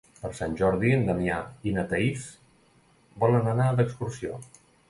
Per Sant Jordi en Damià i na Thaís volen anar d'excursió.